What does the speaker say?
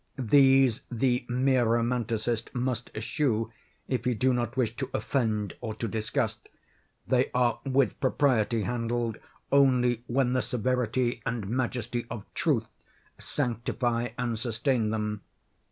These the mere romanticist must eschew, if he do not wish to offend or to disgust. They are with propriety handled only when the severity and majesty of Truth sanctify and sustain them.